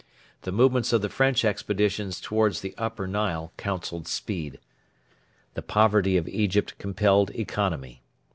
The movements of the French expeditions towards the Upper Nile counselled speed. The poverty of Egypt compelled economy.